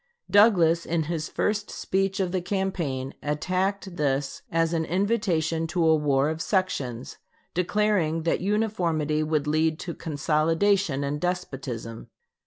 Douglas in his first speech of the campaign attacked this as an invitation to a war of sections, declaring that uniformity would lead to consolidation and despotism.